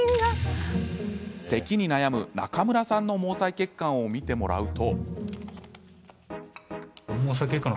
せきに悩む中村さんの毛細血管を見てもらうと。